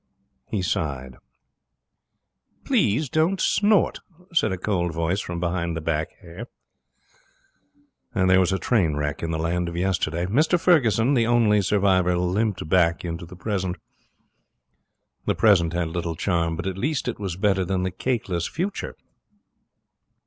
He sighed. 'Please don't snort,' said a cold voice, from behind the back hair. There was a train wreck in the Land of Yesterday. Mr Ferguson, the only survivor, limped back into the Present. The Present had little charm, but at least it was better than the cakeless Future.